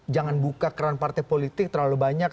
jangan buka keran partai politik terlalu banyak